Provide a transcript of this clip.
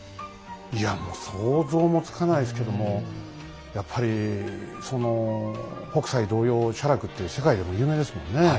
いやもう想像もつかないですけどもやっぱりその北斎同様写楽って世界でも有名ですもんね。